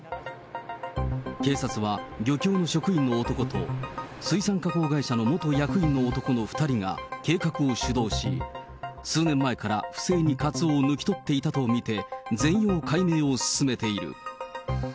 警察は、漁協の職員の男と、水産加工会社の元役員の男の２人が、計画を主導し、数年前から不正にカツオを抜き取っていたと見て、全容解明を進めている。